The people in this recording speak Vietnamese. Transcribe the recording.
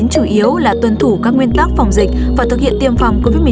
chủ yếu là tuân thủ các nguyên tắc phòng dịch và thực hiện tiêm phòng covid một mươi chín